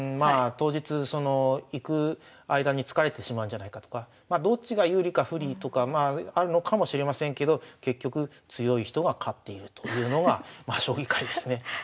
当日その行く間に疲れてしまうんじゃないかとかどっちが有利か不利とかまああるのかもしれませんけど結局強い人が勝っているというのがまあ将棋界ですね。